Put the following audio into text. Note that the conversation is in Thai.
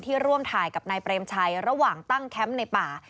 ร่วมถ่ายกับนายเปรมชัยระหว่างตั้งแคมป์ในป่า